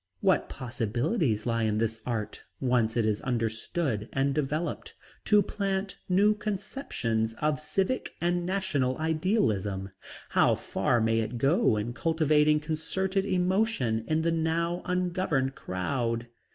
What possibilities lie in this art, once it is understood and developed, to plant new conceptions of civic and national idealism? How far may it go in cultivating concerted emotion in the now ungoverned crowd?